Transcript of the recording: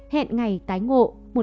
hẹn ngày tái ngộ